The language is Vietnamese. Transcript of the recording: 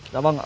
dạ vâng ạ